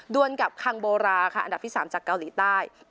วนกับคังโบราค่ะอันดับที่๓จากเกาหลีใต้